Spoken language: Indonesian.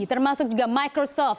termasuk juga microsoft